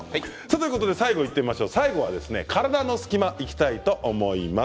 最後は体の隙間にいきたいと思います。